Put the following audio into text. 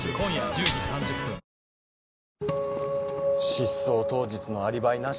失踪当日のアリバイなし。